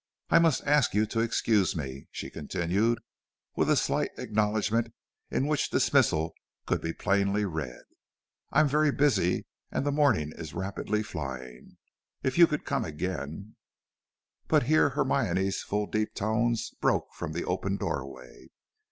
I must ask you to excuse me," she continued, with a slight acknowledgment in which dismissal could be plainly read. "I am very busy, and the morning is rapidly flying. If you could come again " But here Hermione's full deep tones broke from the open doorway.